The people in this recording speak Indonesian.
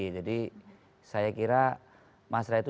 jadi saya kira masalah itu